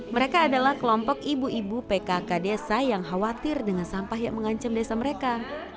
mereka adalah kelompok ibu ibu pkk desa yang khawatir dengan sampah yang mengancam desa mereka